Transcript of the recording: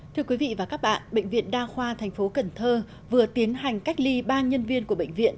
thưa quý vị và các bạn bệnh viện đa khoa thành phố cần thơ vừa tiến hành cách ly ba nhân viên của bệnh viện